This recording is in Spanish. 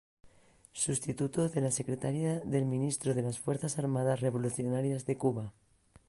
Sustituto de la Secretaría del Ministro de las Fuerzas Armadas Revolucionarias de Cuba.